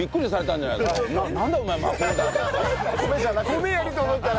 米やると思ったら。